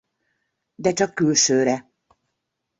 De csak külsőre!